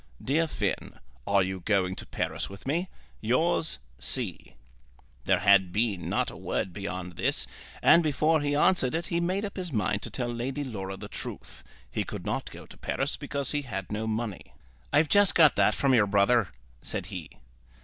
DEAR FINN, Are you going to Paris with me? Yours, C. There had been not a word beyond this, and before he answered it he made up his mind to tell Lady Laura the truth. He could not go to Paris because he had no money. "I've just got that from your brother," said he.